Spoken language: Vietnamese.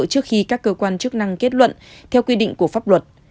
trước khi các cơ quan chức năng kết luận theo quy định của pháp luật